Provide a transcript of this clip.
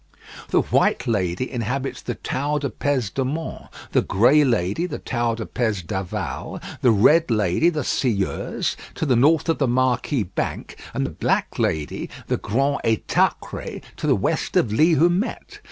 The White Lady inhabits the Tau de Pez d'Amont; the Grey Lady, the Tau de Pez d'Aval; the Red Lady, the Silleuse, to the north of the Marquis Bank; and the Black Lady, the Grand Etacré, to the west of Li Houmet.